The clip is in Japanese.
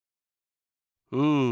うん。